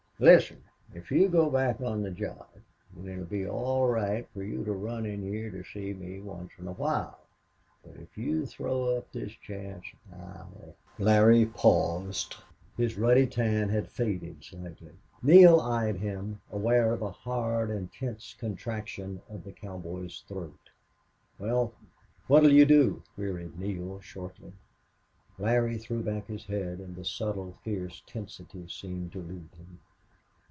"Listen. If you go back on the job then it 'll be all right for you to run in heah to see me once in a while. But if you throw up this chance I'll " Larry paused. His ruddy tan had faded slightly. Neale eyed him, aware of a hard and tense contraction of the cowboy's throat. "Well, what 'll you do?" queried Neale, shortly. Larry threw back his head, and the subtle, fierce tensity seemed to leave him.